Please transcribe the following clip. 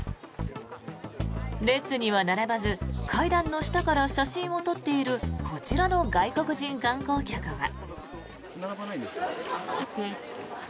列には並ばず階段の下から写真を撮っているこちらの外国人観光客は。